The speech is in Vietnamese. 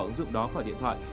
ứng dụng đó khỏi điện thoại